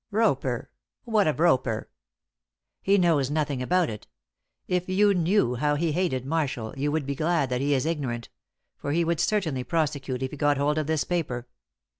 "Roper what of Roper?" "He knows nothing about it. If you knew how he hated Marshall, you would be glad that he is ignorant. For he would certainly prosecute if he got hold of this paper."